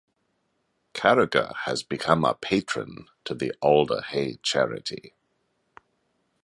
Carragher has become a patron to the Alder Hey Charity.